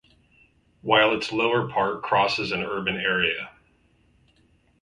While its lower part crosses an urban area.